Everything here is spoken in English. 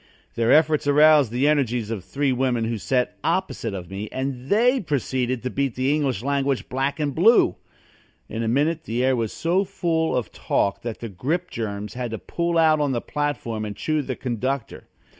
Their efforts aroused the energies of three women who sat opposite me, and they proceeded to beat the English language black and blue. In a minute the air was so full of talk that the grip germs had to pull out on the platform and chew the conductor.